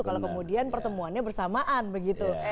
kalau kemudian pertemuannya bersamaan begitu